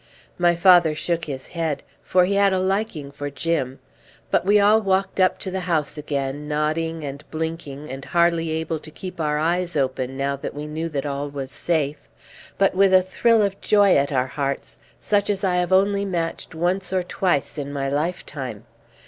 My father shook his head, for he had a liking for Jim; but we all walked up to the house again, nodding and blinking, and hardly able to keep our eyes open now that we knew that all was safe, but with a thrill of joy at our hearts such as I have only matched once or twice in my lifetime.